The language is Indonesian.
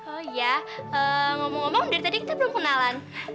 oh iya ngomong ngomong dari tadi kita belum kenalan